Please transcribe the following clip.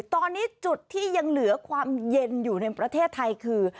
ตอนนี้จุดที่ยังเหลือความเย็นอยู่ในประเทศไทยคือ